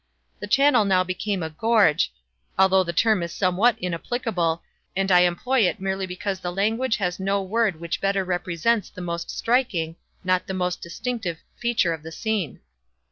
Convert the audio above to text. The channel now became a gorge—although the term is somewhat inapplicable, and I employ it merely because the language has no word which better represents the most striking—not the most distinctive—feature of the scene.